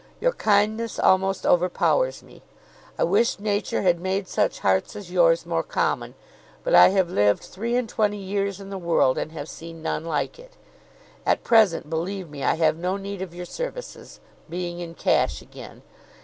Your kindness almost overpowers me. I wish nature had made such hearts as yours more common, but I have lived three and twenty years in the world, and have seen none like it. At present, believe me, I have no need of your services, being in cash again.